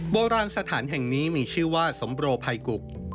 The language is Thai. โบราณสถานแห่งนี้มีชื่อว่าสมโรภัยกุก